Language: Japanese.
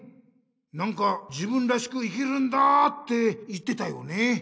なんか「自分らしく生きるんだ」って言ってたよね。